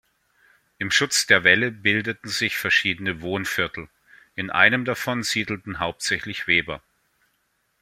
Im Schutze der Wälle bildeten sich verschiedene „Wohnviertel“; in einem davon siedelten hauptsächlich Weber.